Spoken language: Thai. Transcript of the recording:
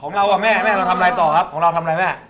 เราอ่ะแม่แม่เราทำอะไรต่อครับของเราทำอะไรแม่